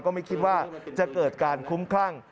ไม่คิดว่าจะเกิดการคุ้มคลั่ง